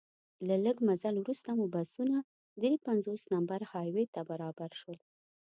له لږ مزل وروسته مو بسونه درې پنځوس نمبر های وې ته برابر شول.